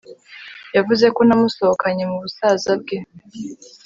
Yavuze ko namusohokanye mubusaza bwe